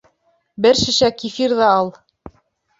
Бер шешә кефир ҙа ал!